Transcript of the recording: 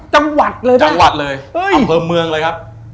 จังหวัดเลยเหรอจังหวัดเลยอำเภอเมืองเลยครับ